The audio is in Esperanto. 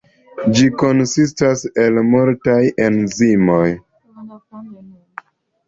Ĝi konsistas el multaj enzimoj.